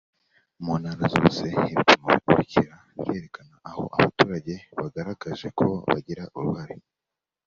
mu ntara zose ibipimo bikurikira birerekana aho abaturage bagaragaje ko bagira uruhare